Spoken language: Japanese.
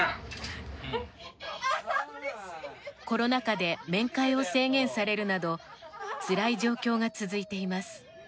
コロナ禍で面会を制限されるなどつらい状況が続いています。